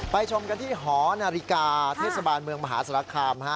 ชมกันที่หอนาฬิกาเทศบาลเมืองมหาศาลคาม